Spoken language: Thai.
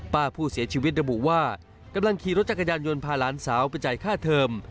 ป้าผู้เสียชีวิตระบุว่ากำลังขี่รถจักรยานยนต์พาหลานสาวไปจ่ายค่าเทอม